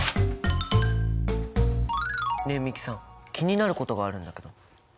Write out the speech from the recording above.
ねえ美樹さん気になることがあるんだけど。